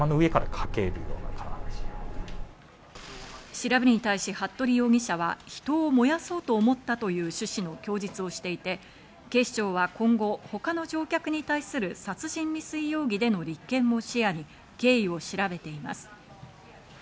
調べに対し服部容疑者は、人を燃やそうと思ったという趣旨の供述をしていて、警視庁は今後他の乗客に対する殺人未遂容疑での立件も視野に経緯を調べています。